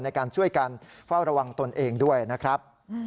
ในการช่วยกันเฝ้าระวังตนเองด้วยนะครับ